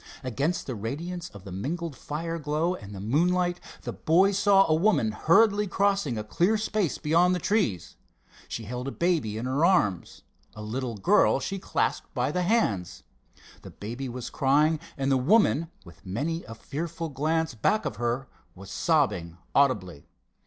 Against the radiance of the mingled fire glow and the moonlight the boys saw a woman hurriedly crossing a clear space beyond the trees. She held a baby in her arms. A little girl she clasped by the hand. The baby was crying, and the woman, with many a fearful glance back of her, was sobbing audibly.